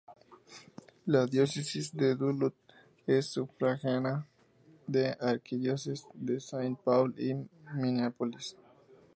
La Diócesis de Duluth es sufragánea de la Arquidiócesis de Saint Paul y Minneapolis.